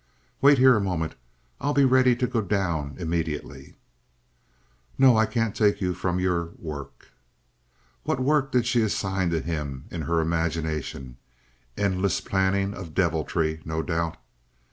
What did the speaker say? "Wait here a moment. I'll be ready to go down immediately." "No. I can't take you from your work." What work did she assign to him in her imagination? Endless planning of deviltry no doubt.